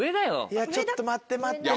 いやちょっと待って待って。